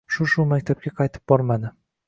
Shu-shu maktabga qaytib bormadi